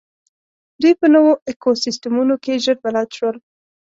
دوی په نوو ایکوسېسټمونو کې ژر بلد شول.